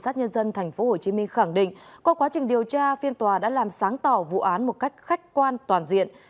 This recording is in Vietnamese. trong quá trình điều tra phiên tòa đã làm sáng tỏ vụ án một cách khách quan toàn diện